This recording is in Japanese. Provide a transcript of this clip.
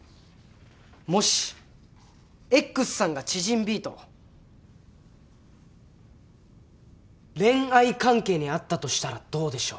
もしＸさんが知人Ｂと恋愛関係にあったとしたらどうでしょう？